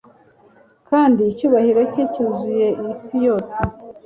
kandi icyubahiro cye cyuzuye isi yose